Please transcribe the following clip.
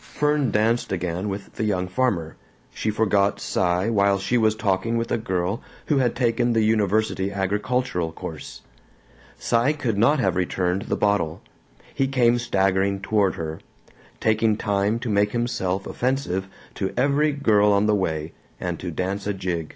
Fern danced again with the young farmer; she forgot Cy while she was talking with a girl who had taken the University agricultural course. Cy could not have returned the bottle; he came staggering toward her taking time to make himself offensive to every girl on the way and to dance a jig.